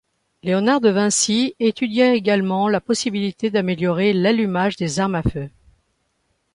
Léonard de Vinci étudia également la possibilité d’améliorer l’allumage des armes à feu.